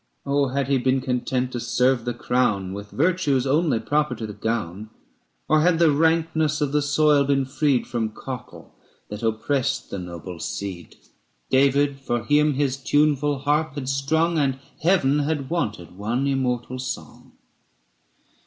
Oh! had he been content to serve the crown With virtues only proper to the gown, Or had the rankness of the soil been freed From cockle that oppressed the noble seed, 195 David for him his tuneful harp had strung And Heaven had wanted one immortal song.